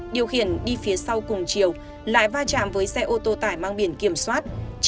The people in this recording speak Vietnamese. điều khiển đi phía sau cùng chiều lại va chạm với xe ô tô tải mang biển kiểm soát